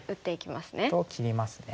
と切りますね。